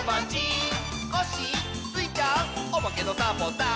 「コッシースイちゃんおまけのサボさん」